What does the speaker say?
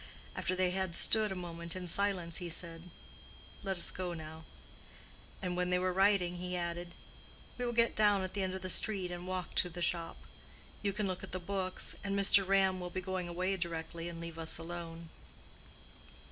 After they had stood a moment in silence he said, "Let us go now," and when they were riding he added, "We will get down at the end of the street and walk to the shop. You can look at the books, and Mr. Ram will be going away directly and leave us alone."